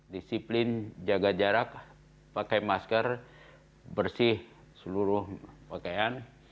disiplin jaga jarak pakai masker bersih seluruh pakaian